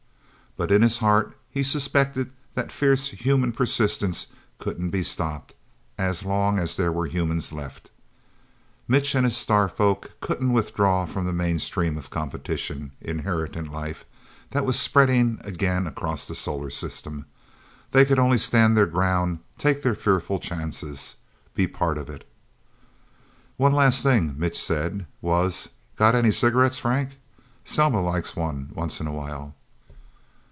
But in his heart he suspected that fierce human persistence couldn't be stopped as long as there were humans left. Mitch and his star folk couldn't withdraw from the mainstream of competition inherent in life that was spreading again across the solar system. They could only stand their ground, take their fearful chances, be part of it. One of the last things Mitch said, was, "Got any cigarettes, Frank? Selma likes one, once in a while."